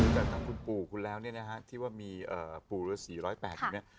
จากทางคุณปู่คุณแล้วเนี่ยนะฮะที่ว่ามีปู่ฤษี๑๐๘อยู่เนี่ย